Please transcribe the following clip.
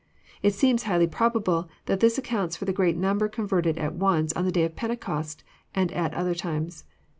It seems highly probable that this accounts for the great number converted at once on the day of Pentecost and at other times.